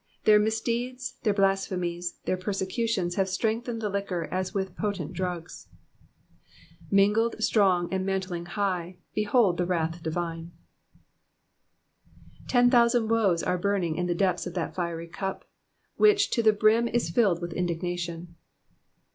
Their misdeeds, their blasphemies, their persecutions have strengthened the liquor as with potent drugs :*' Mingled, BtroDfT, and manUing high ; Bcliuld the wrath divine.'' Ten thousand woes are burning in the depths of that fiery cup, which to the brim is filled with indignation.